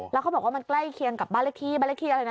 แล้วเขาบอกว่ามันใกล้เคียงกับบารกิจบารกิจอะไรนะ๔๐๐